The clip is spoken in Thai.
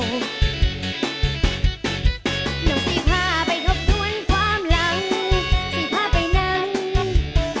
น้องสีผ้าไปทบทวนความหลังสีผ้าไปนั่ง